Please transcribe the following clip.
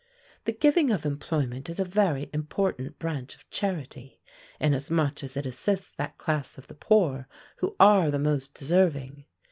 The giving of employment is a very important branch of charity, inasmuch as it assists that class of the poor who are the most deserving.